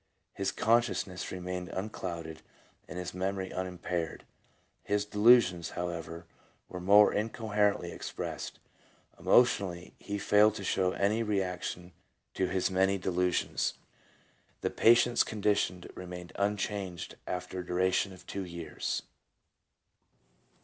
His consciousness remained unclouded and his memory unimpaired. His delusions, however, were more incoherently expressed. Emotionally he failed to show any reaction to his many delusions. The patient's condition remained unchanged after a dura tion of two years.